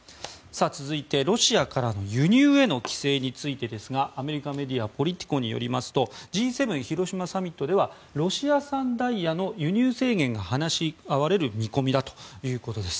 続いてロシアからの輸入への規制についてですがアメリカメディアのポリティコによりますとＧ７広島サミットではロシア産ダイヤの輸入制限が話し合われる見込みだということです。